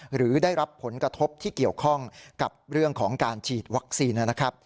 หรือได้รับผลกระทบที่เกี่ยวข้องกับเรื่องของการฉีดวัคซีนนะครับ